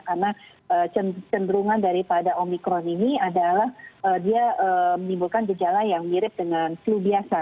karena cenderungan daripada omikron ini adalah dia menimbulkan gejala yang mirip dengan flu biasa